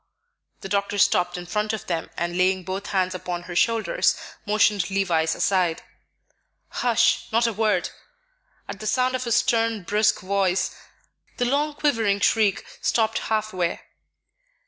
The doctor stepped in front of them, and laying both hands upon her shoulders, motioned Levice aside. "Hush! Not a word!" At the sound of his stern, brusque voice, the long quivering shriek stopped halfway.